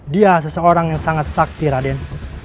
dia seseorang yang sangat sakti raden